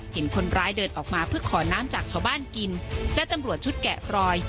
เห็นคนร้ายเดินออกมาเพื่อขอน้ำจากชาวบ้านกินและตำรวจชุดแกะรอย